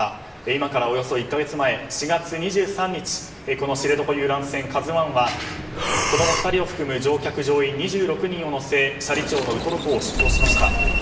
今からおよそ１か月前の４月２３日にこの知床遊覧船「ＫＡＺＵ１」は子供２人を含む乗客・乗員２６人を乗せ斜里町のウトロ漁港を出港しました。